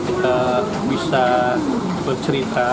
kita bisa bercerita